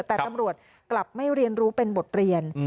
แต่ตำรวจกลับไม่เรียนรู้เป็นบทเรียน